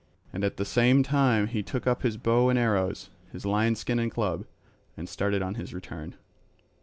And at the same time he took up his bow and arrows, his lion skin and club, and started on his return.